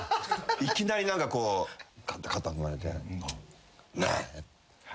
いきなり何かこう肩組まれて。